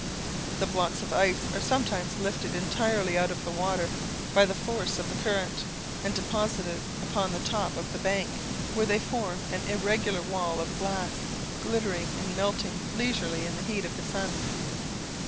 The blocks of ice are sometimes lifted entirely out of the water by the force of the current, and deposited upon the top of the bank, where they form an irregular wall of glass, glittering and melting leisurely in the heat of the sun.